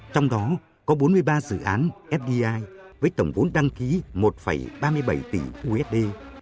trong đó có bốn mươi ba dự án fdi với tổng vốn đăng ký một ba mươi bảy tỷ usd